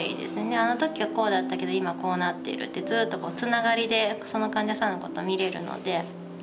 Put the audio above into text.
あのときはこうだったけど今こうなっているってずっとつながりでその患者さんのこと診れるので。